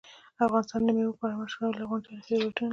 افغانستان د مېوو په اړه مشهور او لرغوني تاریخی روایتونه لري.